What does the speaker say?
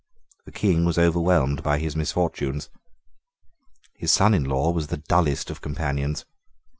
The King was overwhelmed by his misfortunes. His son in law was the dullest of companions.